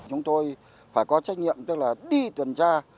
chúng tôi phải có trách nhiệm tức là đi tuần tra